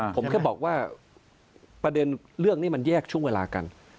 ผมแค่บอกว่าประเด็นเรื่องนี้มันแยกช่วงเวลากัน